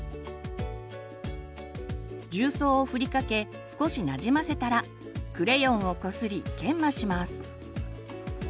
重曹をふりかけ少しなじませたらクレヨンをこすり研磨します。